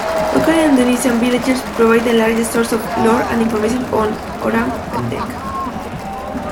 Local Indonesian villagers provide the largest source of lore and information on Orang Pendek.